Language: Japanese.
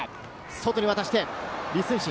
外に渡して李承信。